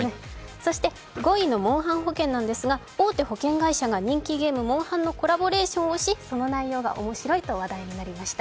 そして５位のモンハン保険なんですが、大手保険会社が人気ゲーム、「モンハン」のコラボレーションをしその内容が面白いと話題になりました。